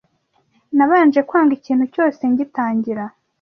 Nabanje kwanga ikintu cyose ngitangira